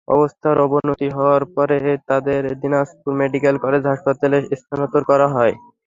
অবস্থার অবনতি হওয়ায় পরে তাঁদের দিনাজপুর মেডিকেল কলেজ হাসপাতালে স্থানান্তর করা হয়।